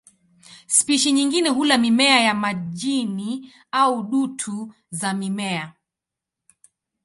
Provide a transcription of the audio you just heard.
Spishi nyingine hula mimea ya majini au dutu za mimea.